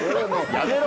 やめろ！